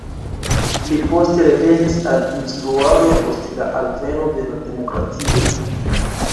Li poste revenis al instruado post la alveno de la demokratio.